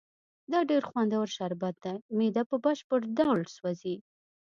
دا ډېر خوندور شربت دی، معده په بشپړ ډول سوځي.